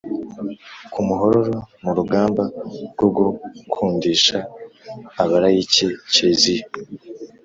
ku muhororo mu rugamba rwo gukundisha abalayiki kiliziya